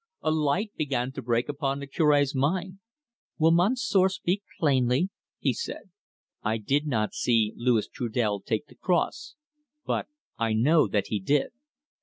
Alight began to break upon the Cure's mind. "Will Monsieur speak plainly?" he said. "I did not see Louis Trudel take the cross, but I know that he did."